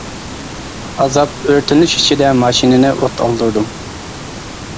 ئازاب، ئۆرتىنىش ئىچىدە ماشىنىنى ئوت ئالدۇردۇم.